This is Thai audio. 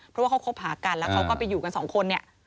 เพราะว่าเขาคบหากันแล้วเขาก็ไปอยู่กันสองคนเนี่ย